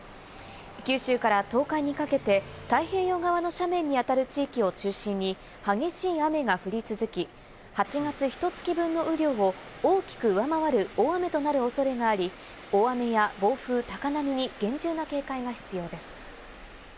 九州から東海にかけて、太平洋側の斜面にあたる地域を中心に激しい雨が降り続き、８月ひと月分の雨量を大きく上回る大雨となる恐れがあり、大雨や暴風、高波に厳重な警戒が必要です。